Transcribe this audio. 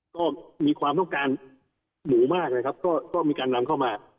ก็มีความต้องการหมูมากนะครับก็มีการนำเข้ามา